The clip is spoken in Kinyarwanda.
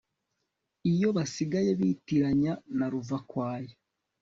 Iyo basigaye bitiranya na ruvakwaya